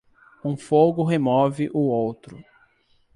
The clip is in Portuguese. Um fogo remove o outro.